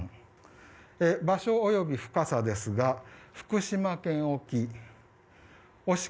場所及び深さですが福島県沖。